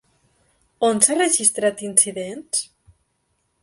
On s'ha registrat incidents?